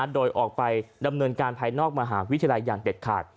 โดยออกไปดำเนินการภายนอกมหาวิทยาลัยอย่างเด็ดขาด